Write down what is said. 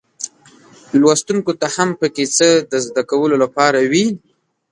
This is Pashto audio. لوستونکو ته هم پکې څه د زده کولو لپاره وي.